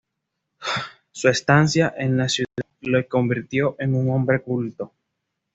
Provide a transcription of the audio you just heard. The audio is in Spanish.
Su estancia en la ciudad le convirtió en un hombre culto.